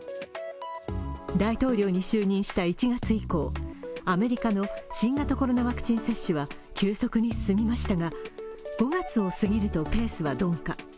大統領に就任した１月以降アメリカの新型コロナワクチン接種は急速に進みましたが５月を過ぎるとペースは鈍化。